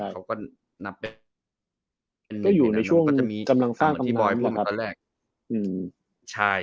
ใช่คืออยู่ในช่วงกำลังสร้างกำลังนี้ครับ